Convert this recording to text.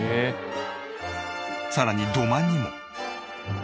さらに土間にも。